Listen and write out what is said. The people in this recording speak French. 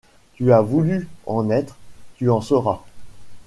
Tu as voulu en être, tu en seras...